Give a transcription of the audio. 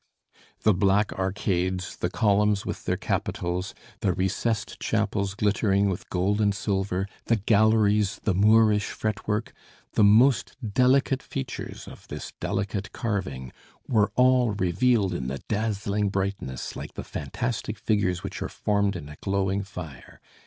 The black arcades, the columns with their capitals, the recessed chapels glittering with gold and silver, the galleries, the Moorish fretwork, the most delicate features of this delicate carving, were all revealed in the dazzling brightness like the fantastic figures which are formed in a glowing fire.